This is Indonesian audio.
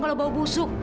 kalau bau busuk